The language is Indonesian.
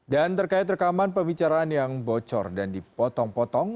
terkait rekaman pembicaraan yang bocor dan dipotong potong